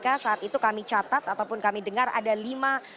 karena saat itu kami catat ataupun kami dengar ada lima